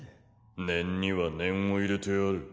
念には念を入れてある。